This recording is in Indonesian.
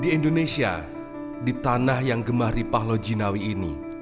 di indonesia di tanah yang gemari pahlawan jinawi ini